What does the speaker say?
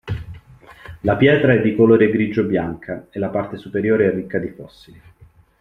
La pietra è di colore grigio-bianca e la parte superiore è ricca di fossili.